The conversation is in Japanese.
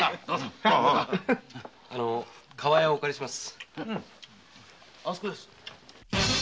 厠をお借りします。